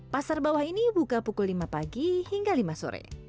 pasar bawah ini buka pukul lima pagi hingga lima sore